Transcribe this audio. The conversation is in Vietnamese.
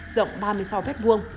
rộng ba mươi sáu vết buông